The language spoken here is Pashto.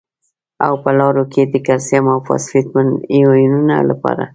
او په لاړو کې د کلسیم او فاسفیټ ایونونو لپاره